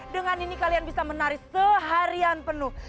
dengan ini kalian bisa menari seharian penuh